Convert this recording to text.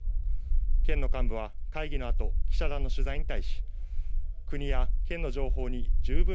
県の幹部は会議のあと、記者団の取材に対し、国や県の情報に十分